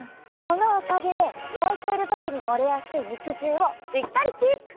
このおかげで焼いている時に漏れやすい肉汁をしっかりキープ！